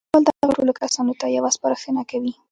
ليکوال دغو ټولو کسانو ته يوه سپارښتنه کوي.